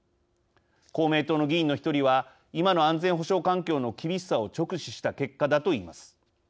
公明党の議員の１人は「今の安全保障環境の厳しさを直視した結果だ」と言います。